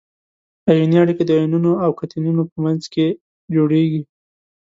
ایوني اړیکه د انیونونو او کتیونونو په منځ کې جوړیږي.